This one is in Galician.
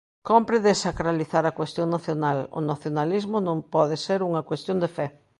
Cómpre desacralizar a cuestión nacional, o nacionalismo non pode ser unha cuestión de fe.